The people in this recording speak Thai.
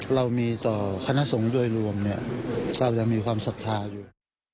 เรามีต่อคณะสงฆ์โดยรวมเนี่ยเรายังมีความศรัทธาอยู่